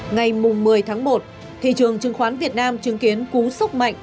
ngày một mươi tháng một thị trường chứng khoán việt nam chứng kiến cú sốc mạnh